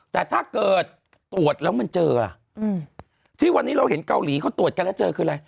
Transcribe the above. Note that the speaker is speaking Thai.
แต่ถ้าเกิดตรวจแล้วมันเจอที่วันนี้เราเห็นเกาหลีเขาตรวจกันแล้วเจอคืออะไร